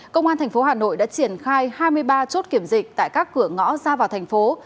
công an thành phố hà nội đã triển khai hai mươi ba chốt kiểm dịch tại các cửa ngõ ra vào thành phố